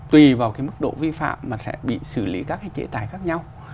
tùy vào mức độ vi phạm mà sẽ bị xử lý các chế tài khác nhau